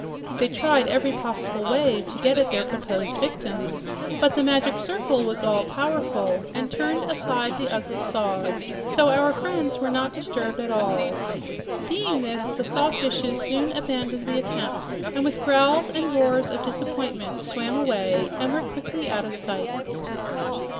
They tried every possible way to get at their proposed victims, but the Magic Circle was all powerful and turned aside the ugly saws; so our friends were not disturbed at all. Seeing this, the sawfishes soon abandoned the attempt and with growls and roars of disappointment swam away and were quickly out of sight.